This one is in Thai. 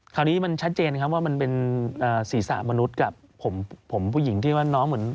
คราวนี้มันชัดเจนครับว่ามันเป็นศีรษะมนุษย์กับผมผมผู้หญิงที่ว่าน้องเหมือน